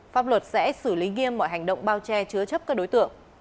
pháp luật sẽ xử lý nghiêm mọi hành động bao che chứa chấp các đối tượng